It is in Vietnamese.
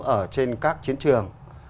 ở trên các chiến trường